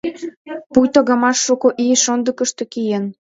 Пуйто гамаш шуко ий шондыкышто киен.